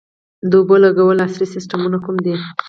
د اوبو لګولو عصري سیستمونه کوم دي؟